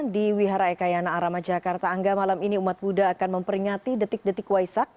di wihara ekayana arama jakarta angga malam ini umat buddha akan memperingati detik detik waisak